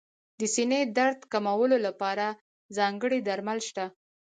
د سینې درد کمولو لپاره ځانګړي درمل شته.